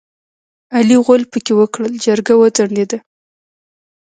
علي غول پکې وکړ؛ جرګه وځنډېده.